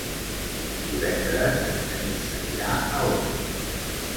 Divendres en Genís anirà a Orba.